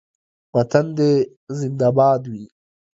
وطن دې زنده باد وي